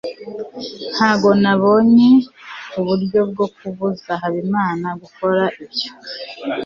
ntabwo nabonye uburyo bwo kubuza habimana gukora ibyo